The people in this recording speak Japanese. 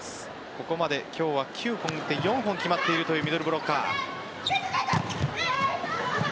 ここまで今日は９本打って４本決まっているミドルブロッカー。